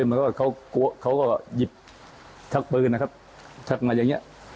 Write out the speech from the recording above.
แล้วก็เขาก็กลัวเขาก็หยิบชักปืนนะครับชักมาอย่างเงี้ย